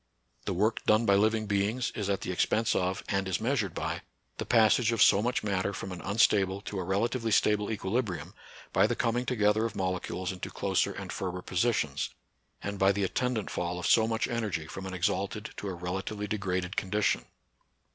The work done by liv ing beings is at the expense of, and is measured by, the passage of so much matter from an un stable to a relatively stable equilibrium, by the coming together of molecules into closer and firmer positions, and by the attendant fall of so much energy from an exalted to a relatively NATURAL SCIENCE AND RELIGION. 29 degraded condition.